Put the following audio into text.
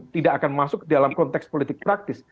tidak akan masuk dalam konteks politik praktis